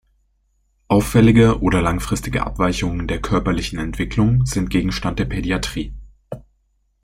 Auffällige oder langfristige Abweichungen der körperlichen Entwicklung sind Gegenstand der Pädiatrie.